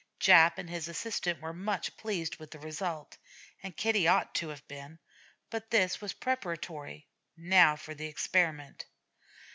Jap and his assistant were much pleased with the result, and Kitty ought to have been. But this was preparatory: now for the experiment.